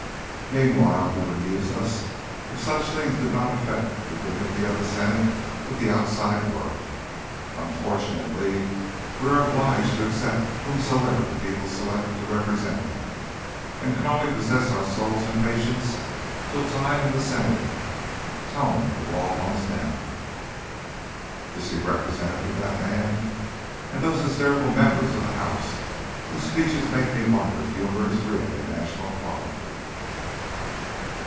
Meanwhile he would amuse us if such things did not affect the dignity of the Senate with the outside world. Unfortunately we are obliged to accept whomsoever the people select to represent them, and can only possess our souls in patience till time and the Senate tone the raw ones down." "Is he representative, that man? And those hysterical members of the House, whose speeches make me wonder if humour is really a national quality?"